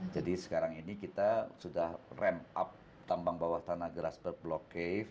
jadi sekarang ini kita sudah ramp up tambang bawah tanah grassberg block cave